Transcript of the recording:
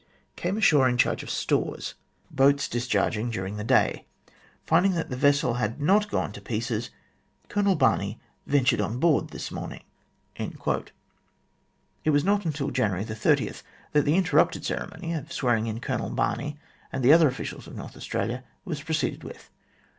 Came ashore in charge of stores. Boats discharging during the day. Finding that the vessel had not gone to pieces, Colonel Barney ventured on board this morning." It was not until January 30, that the interrupted ceremony of swearing in Colonel Barney and the other officials of North Australia was proceeded with.